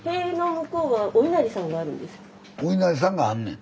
おいなりさんがあんねん。